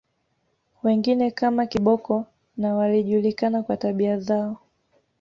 Wengine kama Kiboko na walijulikana kwa tabia zao